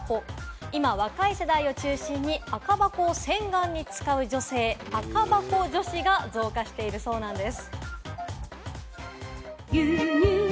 今、若い世代を中心に赤箱を洗顔に使う女性・赤箱女子が増加しているそうです。